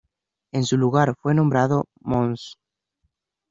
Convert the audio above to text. En su lugar fue nombrado Mons.